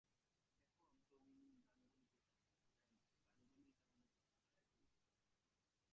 এখন দামিনী গানগুলিকে সাজায় না, গানগুলিই দামিনীকে সাজাইয়া তোলে।